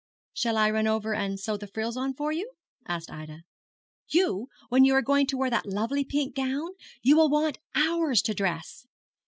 'Shall I run over and sew the frills on for you?' asked Ida. 'You! when you are going to wear that lovely pink gown. You will want hours to dress.